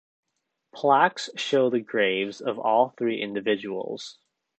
Plaques show the graves of all three individuals.